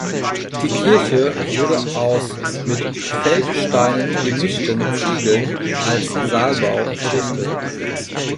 Die Kirche wurde aus mit Feldsteinen gemischten Ziegeln als Saalbau errichtet.